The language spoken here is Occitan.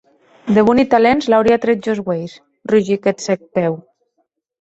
De boni talents l’auria trèt jo es uelhs, rugic eth cèc Pew.